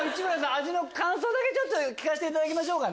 味の感想だけ聞かせていただきましょうか。